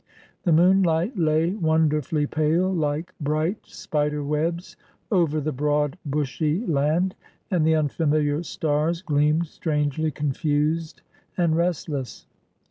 The moonhght lay wonderfully pale, like bright spider webs, over the broad, bushy land, and the unfamiKar stars gleamed strangely confused and restless.